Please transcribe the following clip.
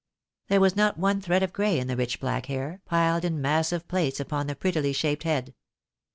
There was not one thread of grey in the rich black hair, piled in massive plaits upon the prettily shaped head.